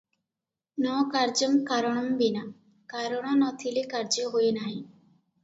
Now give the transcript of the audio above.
'ନ କାର୍ଯ୍ୟଂ କାରଣଂ ବିନା' କାରଣ ନ ଥିଲେ କାର୍ଯ୍ୟ ହୁଏ ନାହିଁ ।